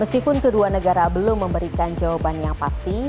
meskipun kedua negara belum memberikan jawaban yang pasti